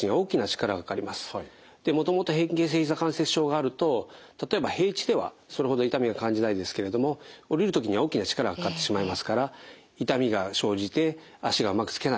でもともと変形性ひざ関節症があると例えば平地ではそれほど痛みを感じないですけれども下りる時には大きな力がかかってしまいますから痛みが生じて脚がうまくつけない。